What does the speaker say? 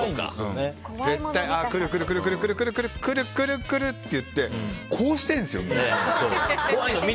来る、来るって言ってこうしているんですよ、みんな。